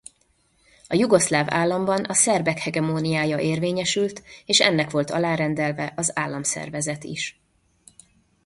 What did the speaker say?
A jugoszláv államban a szerbek hegemóniája érvényesült és ennek volt alárendelve az államszervezet is.